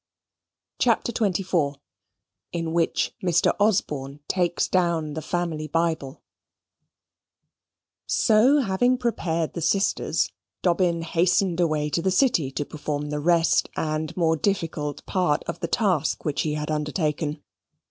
CHAPTER XXIV In Which Mr. Osborne Takes Down the Family Bible So having prepared the sisters, Dobbin hastened away to the City to perform the rest and more difficult part of the task which he had undertaken.